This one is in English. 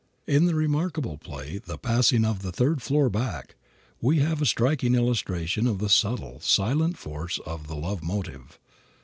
In the remarkable play, "The Passing of the Third Floor Back," we have a striking illustration of the subtle, silent force of the love motive.